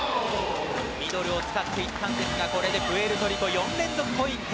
ミドルを使っていったんですがプエルトリコ、４連続ポイント。